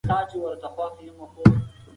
شاه عباس یو باصلاحیته مدیر خو بې رحمه واکمن و.